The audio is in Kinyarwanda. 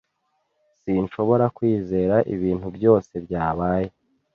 Sinshobora kwizera ibintu byose byabaye.